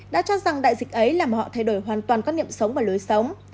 đã cho rằng đại dịch ấy làm họ thay đổi hoàn toàn các niệm sống và lối sống